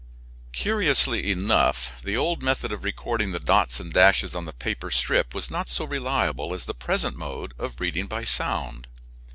Curiously enough, the old method of recording the dots and dashes on the paper strip was not so reliable as the present mode of reading by sound.